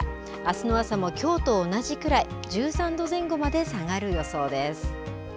あすの朝も、きょうと同じくらい１３度前後まで下がる予想です。